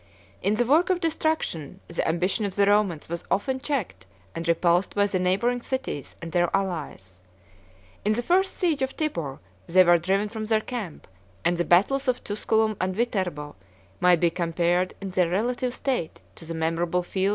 In the work of destruction, the ambition of the Romans was often checked and repulsed by the neighboring cities and their allies: in the first siege of Tibur, they were driven from their camp; and the battles of Tusculum 66 and Viterbo 67 might be compared in their relative state to the memorable fields of Thrasymene and Cannæ.